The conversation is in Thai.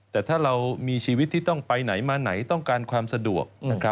แต่ถ้าเรามีชีวิตที่ต้องไปไหนมาไหนต้องการความสะดวก